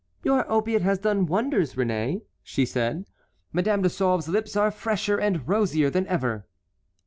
"Your opiate has done wonders, Réné," said she; "Madame de Sauve's lips are fresher and rosier than ever."